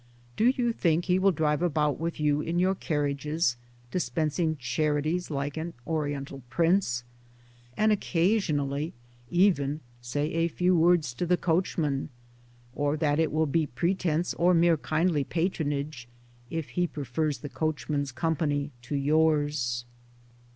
I Do you think he will drive about with you in your carriages dispensing charities like an Oriental prince — and occasionally even say a few words to the coachman — or that it will be pretence or mere kindly patronage if he prefers the coachman's company to yours?